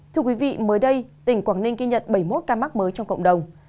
thưa quý vị mới đây tỉnh quảng ninh ghi nhận bảy mươi một ca mắc mới trong cộng đồng